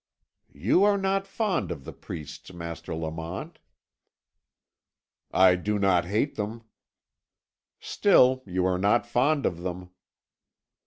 "You are not fond of the priests, Master Lamont." "I do not hate them." "Still you are not fond of them."